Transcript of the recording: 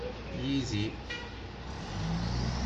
yid-i.